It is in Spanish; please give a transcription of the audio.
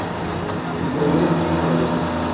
Inferiores "D" Caballeros.